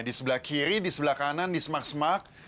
di sebelah kiri di sebelah kanan di semak semak